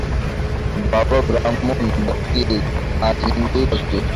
বাবা, ব্রাহ্মই বা কে আর হিন্দুই বা কে।